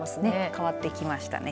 変わってきましたね。